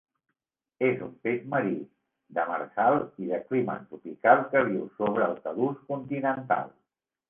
És un peix marí, demersal i de clima tropical que viu sobre el talús continental.